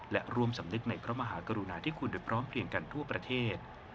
และร่วมสำนึกในพระมหากรุณาที่คุณโดยพร้อมเพียงกันทั่วประเทศ